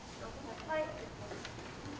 はい。